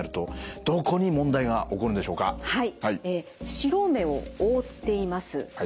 白目を覆っています結膜